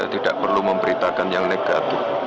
tidak perlu memberitakan yang negatif